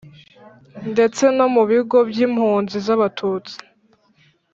ndetse no mu bigo by'impunzi z'abatutsi,